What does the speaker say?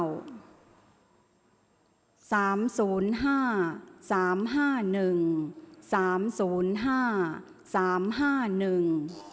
ออกรางวัลที่๖เลขที่๗